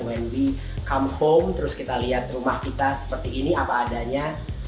when we come home terus kita lihat rumah kita seperti ini apa adanya